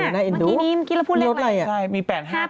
๙๕มันกินแล้วพูดเลขอะไรมี๘๕๙๕